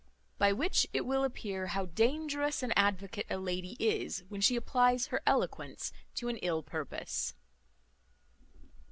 By which it will appear how dangerous an advocate a lady is when she applies her eloquence to an ill purpose.